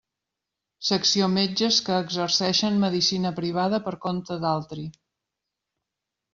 Secció Metges que exerceixen medicina privada per compte d'altri.